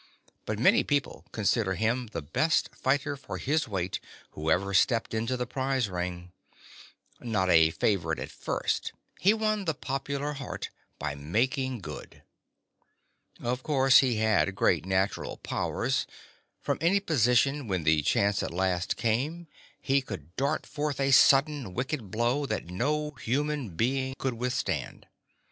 But many people consider him the best fighter for his weight who ever stepped into the prize ring. Not a favorite at first, he won the popular heart by making good. Of course he had great natural powers; from any position when the chance at last came he could dart forth a sudden, wicked blow that no human being could withstand.